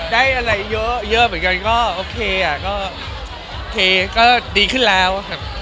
ได้อะไรเยอะเหมือนกันก็โอเคอ่ะก็เทก็ดีขึ้นแล้วครับ